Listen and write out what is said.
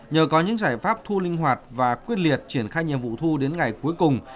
nhờ có những giải pháp thu linh hoạt và quyết liệt triển khai nhiệm vụ thu đến ngày cuối cùng